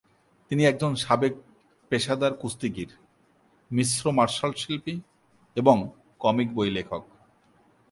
তিনি একজন সাবেক পেশাদার কুস্তিগীর, মিশ্র মার্শাল শিল্পী এবং কমিক বই লেখক।